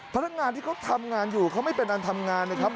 พนักงานที่เขาทำงานอยู่เขาไม่เป็นอันทำงานนะครับ